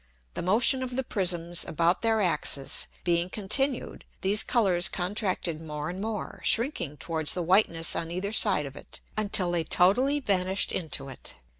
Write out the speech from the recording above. The Motion of the Prisms about their Axis being continued, these Colours contracted more and more, shrinking towards the whiteness on either side of it, until they totally vanished into it.